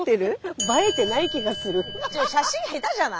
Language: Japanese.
写真下手じゃない？